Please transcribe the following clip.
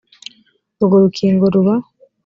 urwo rukingo ruba